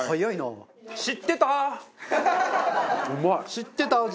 知ってた味。